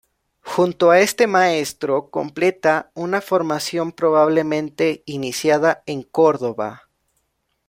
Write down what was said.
Junto a este maestro completa una formación probablemente iniciada en Córdoba.